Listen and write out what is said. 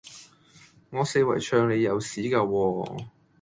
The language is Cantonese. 我四圍唱你有屎架喎